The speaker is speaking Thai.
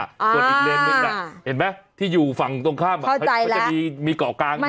ต้นอีกเลนหนึ่งน่ะเห็นไหมที่อยู่ฝั่งตรงข้ามมันจะมีเกาะกลางเหมือนกันนะเข้าใจแล้ว